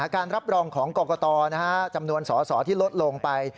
การรับรองของกรกตจำนวนสอสอที่ลดลงไป